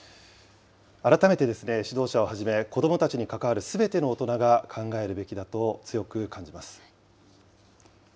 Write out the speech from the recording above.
改めてですね、指導者をはじめ、子どもたちに関わるすべての大人が考えるべきだと強く感じます。